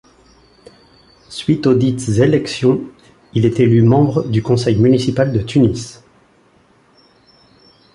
Suite aux dites élections, il est élu membre du Conseil municipal de Tunis.